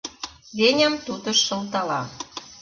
Веням тутыш шылтала.